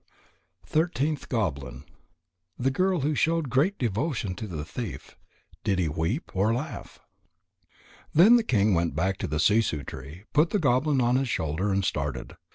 THIRTEENTH GOBLIN The Girl who showed Great Devotion to the Thief. Did he weep or laugh? Then the king went back to the sissoo tree, put the goblin on his shoulder, and started.